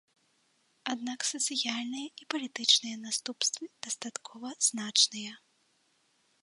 Аднак сацыяльныя і палітычныя наступствы дастаткова значныя.